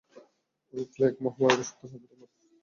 ঐ প্লেগ মহামারীতে সত্তর হাজার লোক মারা গিয়েছিল।